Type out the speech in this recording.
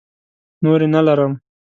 نورې نه لرم.